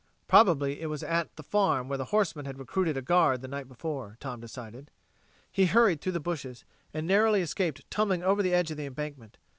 Probably it was at the farm where the horseman had recruited a guard the night before, Tom decided. He hurried through the bushes and narrowly escaped tumbling over the edge of the embankment.